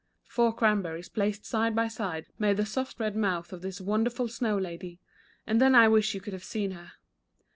Four cranberries placed side by side made the soft red mouth of this wonderful snow lady, and then I wish you could have seen her.